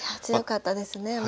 強かったですね